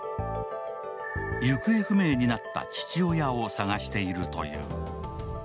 行方不明になった父親を捜しているという。